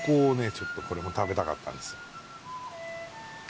ちょっとこれも食べたかったんです。